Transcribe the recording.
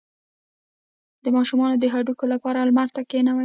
د ماشوم د هډوکو لپاره لمر ته کینوئ